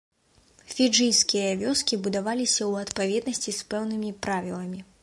Фіджыйскія вёскі будаваліся ў адпаведнасці з пэўнымі правіламі.